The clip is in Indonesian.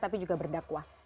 tapi juga berdakwah